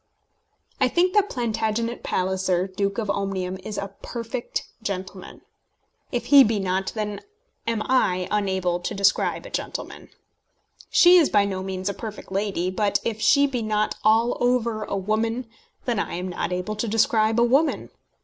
I think that Plantagenet Palliser, Duke of Omnium, is a perfect gentleman. If he be not, then am I unable to describe a gentleman. She is by no means a perfect lady; but if she be not all over a woman, then am I not able to describe a woman.